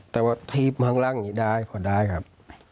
แต่ว่าที่ข้างหลังอย่างนี้พอได้ครับ